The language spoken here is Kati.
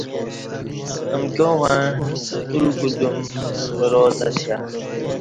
امکیاں وݩع پتول کُودیوم کرا تہ اسیہ۔